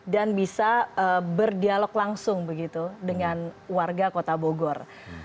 dan bisa berdialog langsung begitu dengan warga kota bogor